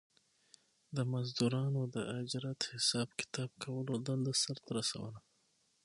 د مزدورانو د اجرت حساب کتاب کولو دنده سر ته رسوله